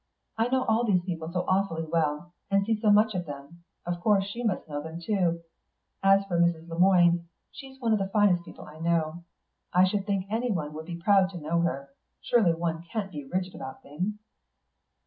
I know all these people so awfully well, and see so much of them; of course she must know them too. As for Mrs. Le Moine, she's one of the finest people I know; I should think anyone would be proud to know her. Surely one can't be rigid about things?"